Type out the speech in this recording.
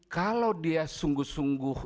kalau dia sungguh sungguh